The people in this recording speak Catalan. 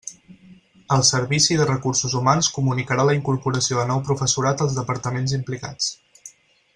El Servici de Recursos Humans comunicarà la incorporació de nou professorat als Departaments implicats.